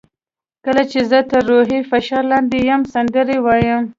کله چې زه تر روحي فشار لاندې یم سندرې وایم.